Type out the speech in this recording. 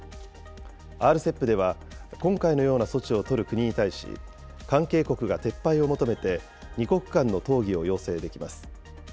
ＲＣＥＰでは今回のような措置を取る国に対し、関係国が撤廃を求めて２国間の討議を要請できます。